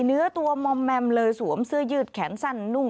เนื้อตัวมอมแมมเลยสวมเสื้อยืดแขนสั้นนุ่ง